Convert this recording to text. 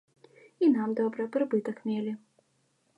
І нам добра, прыбытак мелі.